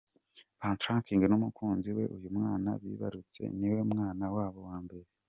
Patoranking n’umukunzi we, uyu mwana bibarutse ni we mwana wabo wa mbere.